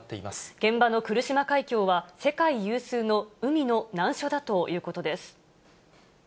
現場の来島海峡は、世界有数の海の難所だということです。